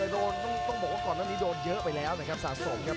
ต้องบอกว่าตอนนี้โดนเยอะไปแล้วนะครับสะสมครับ